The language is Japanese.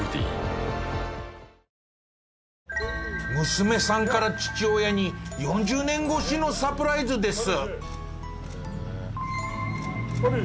娘さんから父親に４０年越しのサプライズです。